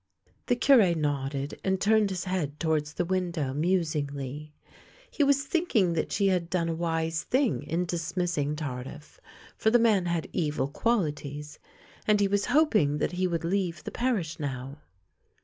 The Cure nodded and turned his head towards the window musingly. He was thinking that she had done a wise thing in dismissing Tardif, for the man had evil qualities, and he was hoping that he would leave the parish now.